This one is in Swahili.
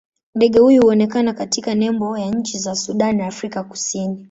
Ndege huyu huonekana katika nembo ya nchi za Sudan na Afrika Kusini.